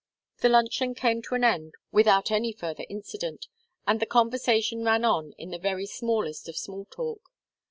The luncheon came to an end without any further incident, and the conversation ran on in the very smallest of small talk.